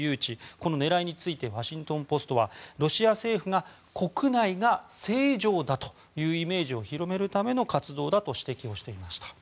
この狙いについてワシントン・ポストはロシア政府が、国内が正常だというイメージを広めるための活動だと指摘をしていました。